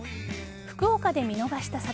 福岡で見逃した桜。